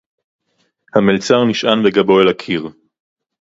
הַמֶּלְצַר נִשְׁעָן בְּגַבּוֹ אֶל הַקִּיר.